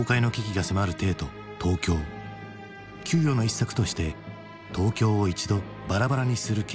窮余の一策として東京を一度バラバラにする計画が持ち上がる。